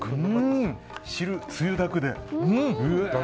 つゆだくで。